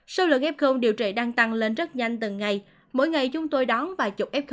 số lượng ghép không điều trị đang tăng lên rất nhanh từng ngày mỗi ngày chúng tôi đón vài chục f